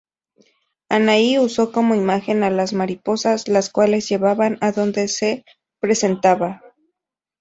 Anahí uso como imagen a las mariposas, las cuales llevaba a donde se presentaba.